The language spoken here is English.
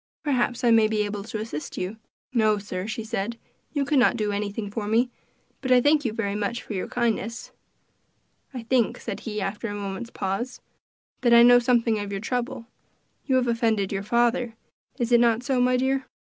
Perhaps I may be able to assist you." "No, sir," she said, "you could not do anything for me; but I thank you very much for your kindness." "I think," said he, after a moment's pause, "that I know something of your trouble; you have offended your father; is it not so, my dear?"